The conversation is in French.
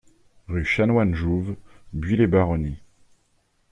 Rue Chanoine Jouve, Buis-les-Baronnies